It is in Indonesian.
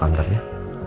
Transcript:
maling gak tau